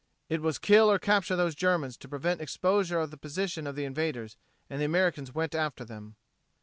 It was kill or capture those Germans to prevent exposure of the position of the invaders, and the Americans went after them.